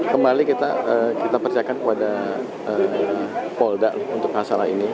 kembali kita percayakan kepada polda untuk masalah ini